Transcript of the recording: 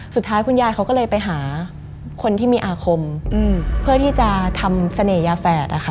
สุดท้ายคุณยายเขาก็เลยไปหาคนที่มีอาคมเพื่อที่จะทำเสน่หยาแฝดอะค่ะ